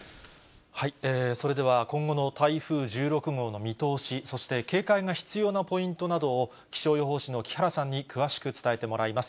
それでは今後の台風１６号の見通し、そして警戒が必要なポイントなどを、気象予報士の木原さんに詳しく伝えてもらいます。